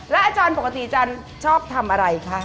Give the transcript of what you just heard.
อาจารย์ปกติอาจารย์ชอบทำอะไรคะ